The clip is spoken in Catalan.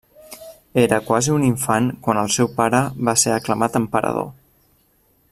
Era quasi un infant quan el seu pare va ser aclamat emperador.